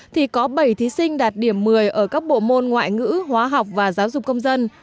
thì có bảy thí sinh đạt điểm một mươi ở các bộ môn ngoại ngữ hóa học và giáo dục công dân